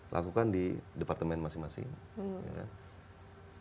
lakukan di departemen masing masing